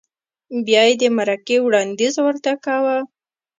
بیا یې د مرکې وړاندیز ورته کاوه؟